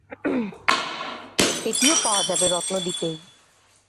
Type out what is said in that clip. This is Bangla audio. এটিও পাওয়া যাবে, রত্নদ্বীপেই।